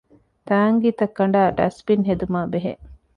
ތާނގީތައް ކަނޑައި ޑަސްބިން ހެދުމާބެހޭ